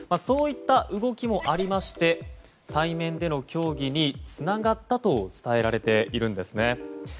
そういった動きもありまして対面での協議につながったと伝えられているんですね。